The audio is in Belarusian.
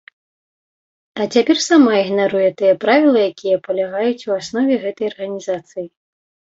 А цяпер сама ігнаруе тыя правілы, якія палягаюць у аснове гэтай арганізацыі.